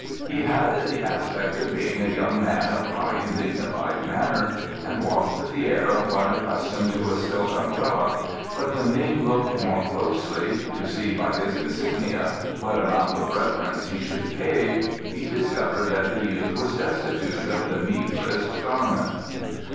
He had the aspect of being a young man of high and dignified manner, and walked with the air of one accustomed to a silk umbrella, but when Ning looked more closely, to see by his insignia what amount of reverence he should pay, he discovered that the youth was destitute of the meagrest garment.